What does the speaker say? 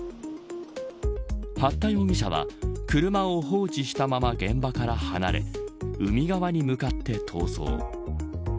八田容疑者は、車を放置したまま現場から離れ海側に向かって逃走。